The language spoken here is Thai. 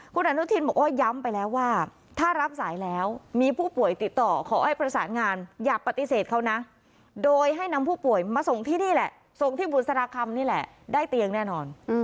คุณอนุทินบอกว่าย้ำไปแล้วว่าถ้ารับสายแล้วมีผู้ป่วยติดต่อขอให้ประสานงานอย่าปฏิเสธเขานะโดยให้นำผู้ป่วยมาส่งที่นี่แหละส่งที่บุษราคำนี่แหละได้เตียงแน่นอน